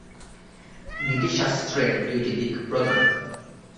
নীতিশাস্ত্রের দুইটি দিক প্রধান।